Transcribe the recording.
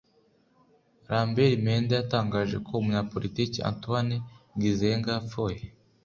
Lambert Mende yatangaje ko umunyapolitiki Antoine Gizenga yapfuye